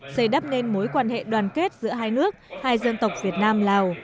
xây đắp nên mối quan hệ đoàn kết giữa hai nước hai dân tộc việt nam lào